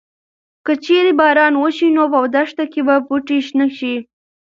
که چېرې باران وشي نو په دښته کې به بوټي شنه شي.